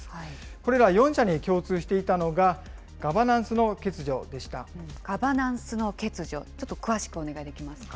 これら４社に共通していたのがガガバナンスの欠如、ちょっと詳しくお願いできますか。